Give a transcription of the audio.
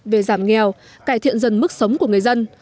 về giảm nghèo cải thiện dần mức sống của người dân